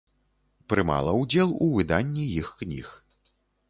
Прымала ўдзел у выданні іх кніг.